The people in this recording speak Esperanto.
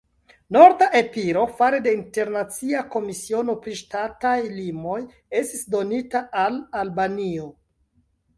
Norda Epiro fare de internacia komisiono pri ŝtataj limoj estis donita al Albanio.